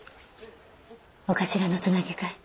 お頭のつなぎかい？